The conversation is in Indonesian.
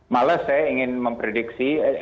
malah saya ingin memprediksi